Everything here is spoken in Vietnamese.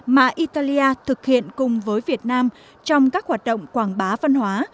mà italia thực hiện cùng với việt nam trong các hoạt động quảng bá văn hóa